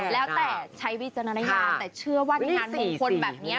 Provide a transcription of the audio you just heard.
แล้วแต่ใช้วิจารณาได้ยอดแต่เชื่อว่าที่งานมงคลแบบนี้